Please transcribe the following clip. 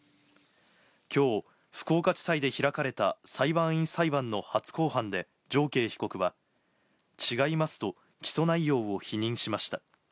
きょう、福岡地裁で開かれた裁判員裁判の初公判で、常慶被告は、違いますと起訴内容を否認しました。